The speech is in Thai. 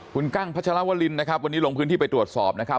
คุณกั้งพัชรวรินนะครับวันนี้ลงพื้นที่ไปตรวจสอบนะครับ